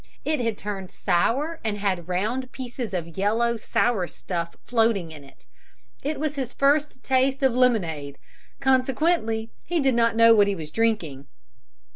It had turned sour and had round pieces of yellow, sour stuff floating in it; it was his first taste of lemonade, consequently he did not know what he was drinking.